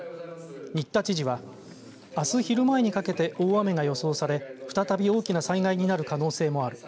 新田知事はあす昼前にかけて大雨が予想され再び大きな災害になる可能性もある。